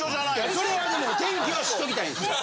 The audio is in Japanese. それはでも天気は知っておきたいんですよ。